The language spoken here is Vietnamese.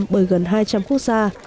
bởi gần hai trăm linh quốc gia